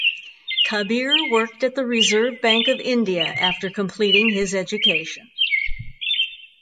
Kabir worked at the Reserve Bank of India after completing his education.